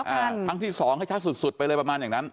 อ่าครั้งที่สองให้ชัดสุดสุดไปเลยประมาณอย่างนั้น